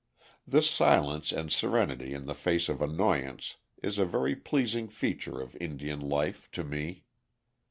This silence and serenity in the face of annoyances is a very pleasing feature of Indian life to me.